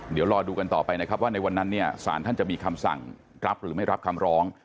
เดี๋ยวรอดูกันต่อไปนะครับว่าในวันนั้นเนี่ยสารท่านจะมีคำสั่งรับหรือไม่รับคำร้อง